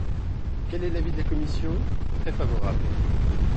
Quel est l’avis de la commission ? Très favorable.